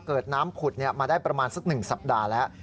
เกิดน้ำผุดมาได้ประมาณสัก๑สัปดาห์แล้ว